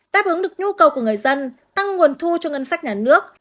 táp ứng được nhu cầu của người dân tăng nguồn thu cho ngân sách nhà nước